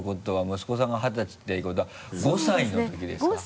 息子さんが二十歳っていうことは５歳のときですか？